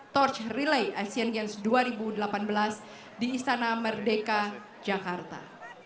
torch relay asian games dua ribu delapan belas di istana merdeka jakarta